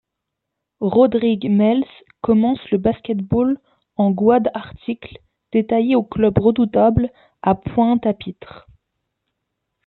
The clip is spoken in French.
Rodrigue Mels commence le basket-ball en GuadeArticle détaillé au club Redoutable à Pointe-à-Pitre.